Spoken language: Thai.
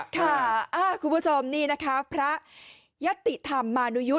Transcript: ค่ะคุณผู้ชมนี่นะครับพระยัตถิธรรมมานุยุฑ